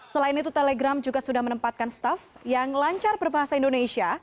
selain itu telegram juga sudah menempatkan staff yang lancar berbahasa indonesia